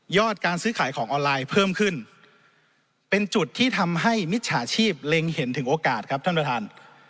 การซื้อขายของออนไลน์เพิ่มขึ้นเป็นจุดที่ทำให้มิจฉาชีพเล็งเห็นถึงโอกาสครับท่านประธาน